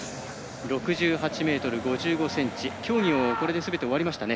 ６８ｍ５５ｃｍ競技はこれですべて終わりましたね。